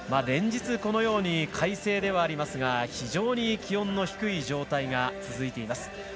連日、このように快晴ではありますが非常に気温の低い状態が続いています。